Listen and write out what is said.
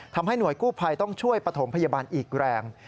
ทำให้หน่วยกู้ภัยต้องช่วยปฐมพยาบาลอีกแรง